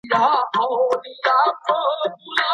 که دوی له دې کیلي سمه ګټه واخلي نو د بریا دروازې خلاصیږي.